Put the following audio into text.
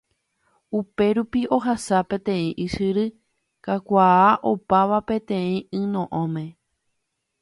Upérupi ohasa peteĩ ysyry kakuaa opáva peteĩ yno'õme.